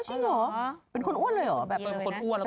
จริงเหรอเป็นคนอ้วนเลยเหรอแบบเป็นคนอ้วน